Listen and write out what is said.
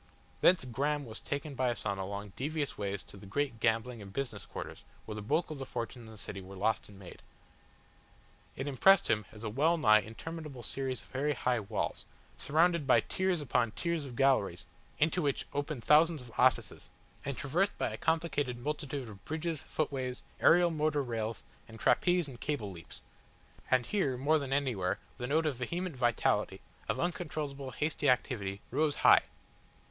Thence Graham was taken by Asano along devious ways to the great gambling and business quarters where the bulk of the fortunes in the city were lost and made. It impressed him as a well nigh interminable series of very high halls, surrounded by tiers upon tiers of galleries into which opened thousands of offices, and traversed by a complicated multitude of bridges, footways, aerial motor rails, and trapeze and cable leaps. And here more than anywhere the note of vehement vitality, of uncontrollable, hasty activity, rose high.